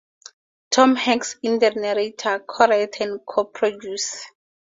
Tom Hanks is the narrator, co-writer and co-producer.